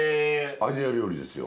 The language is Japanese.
アイデア料理ですよ。